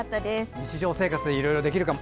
日常生活でいろいろできるかも。